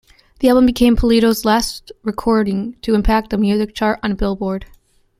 The album became Pulido's last recording to impact a music chart on "Billboard".